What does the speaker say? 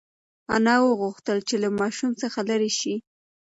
انا غوښتل چې له ماشوم څخه لرې شي.